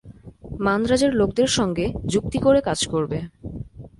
মান্দ্রাজের লোকদের সঙ্গে যুক্তি করে কাজ করবে।